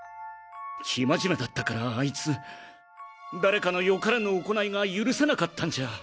生真面目だったからあいつ誰かの良からぬ行いが許せなかったんじゃ。